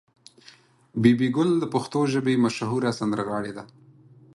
بي بي ګل د پښتو ژبې مشهوره سندرغاړې ده.